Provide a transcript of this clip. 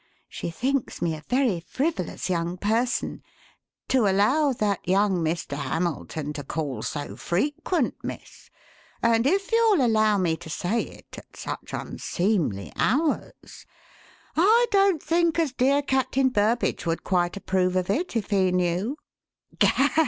She thinks me a very frivolous young person, 'to allow that young Mr. Hamilton to call so frequent, miss, and if you'll allow me to say it, at such unseemly hours. I don't think as dear Captain Burbage would quite approve of it if he knew.'"